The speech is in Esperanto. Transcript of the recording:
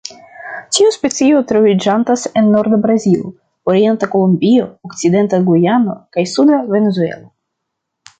Tiu specio troviĝantas en norda Brazilo, orienta Kolombio, okcidenta Gujano, kaj suda Venezuelo.